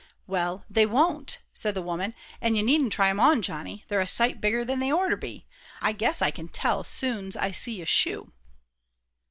"Well, they won't," said the woman, "an' you needn't try 'em on, Johnny. They're a sight bigger'n they orter be. I guess I can tell soon's I see a shoe."